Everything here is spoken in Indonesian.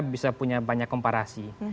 bisa punya banyak komparasi